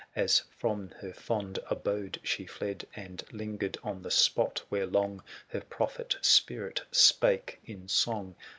As from her fond abode she fled, And lingered on the spot, where long 335 Her prophet spirit spake in song.